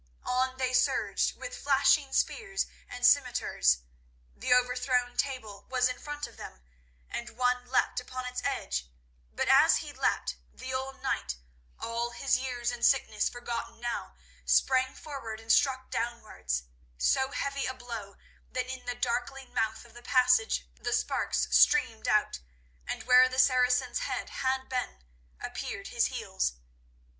_" on they surged, with flashing spears and scimitars. The overthrown table was in front of them, and one leapt upon its edge, but as he leapt, the old knight, all his years and sickness forgotten now, sprang forward and struck downwards, so heavy a blow that in the darkling mouth of the passage the sparks streamed out, and where the Saracen's head had been, appeared his heels.